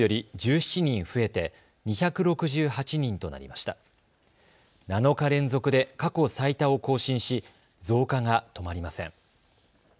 ７日連続で過去最多を更新し増加が止まりません。